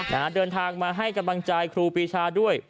นะฮะเดินทางมาให้กำลังใจครูปีชาด้วย